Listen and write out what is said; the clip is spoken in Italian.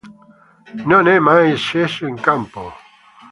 Non è mai sceso in campo.